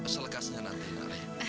selekasnya nanti nak raih